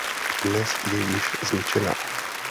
Dnes je již zničená.